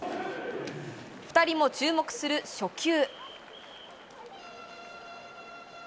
２人も注目する初球。